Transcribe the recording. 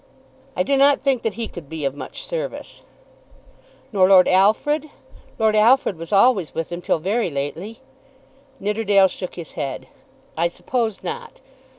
"I do not think that he could be of much service." "Nor Lord Alfred? Lord Alfred was always with him till very lately." Nidderdale shook his head. "I suppose not.